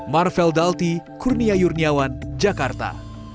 marvel dalti kurnia yurniawan jakarta